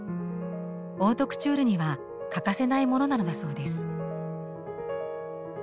オートクチュールには欠かせないものなのだそうです。